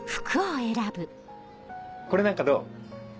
これなんかどう？